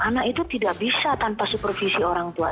anak itu tidak bisa tanpa supervisi orang tua